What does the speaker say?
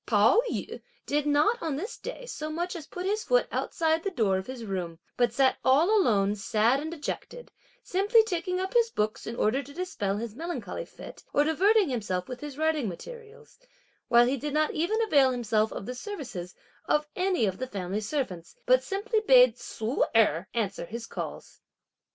Pao yü did not, on this day, so much as put his foot outside the door of his room, but sat all alone sad and dejected, simply taking up his books, in order to dispel his melancholy fit, or diverting himself with his writing materials; while he did not even avail himself of the services of any of the family servants, but simply bade Ssu Erh answer his calls.